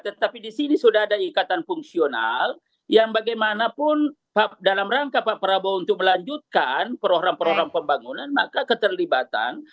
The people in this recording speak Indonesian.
tetapi di sini sudah ada ikatan fungsional yang bagaimanapun dalam rangka pak prabowo untuk melanjutkan program program pembangunan maka keterlibatan